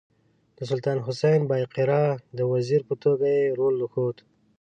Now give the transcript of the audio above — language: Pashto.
د سلطان حسین بایقرا د وزیر په توګه یې رول وښود.